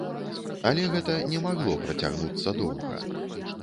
Але гэта не магло працягнуцца доўга.